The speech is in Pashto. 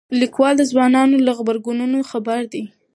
لیکوال د ځوانانو له غبرګونونو خبر دی.